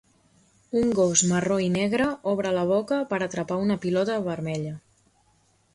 Un gos marró i negre obre la boca per atrapar una pilota vermella.